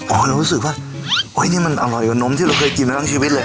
เรารู้สึกว่าโอ๊ยนี่มันอร่อยกว่านมที่เราเคยกินมาทั้งชีวิตเลย